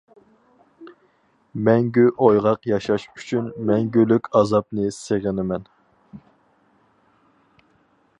مەڭگۈ ئويغاق ياشاش ئۈچۈن مەڭگۈلۈك ئازابنى سېغىنىمەن.